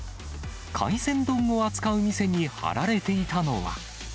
海鮮丼を扱う店に貼られていたのは。